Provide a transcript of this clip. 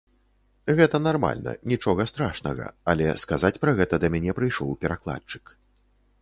Гэта нармальна, нічога страшнага, але сказаць пра гэта да мяне прыйшоў перакладчык.